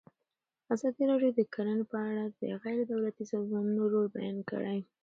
ازادي راډیو د کرهنه په اړه د غیر دولتي سازمانونو رول بیان کړی.